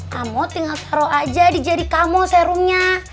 kamu tinggal taruh aja di jari kamu serumnya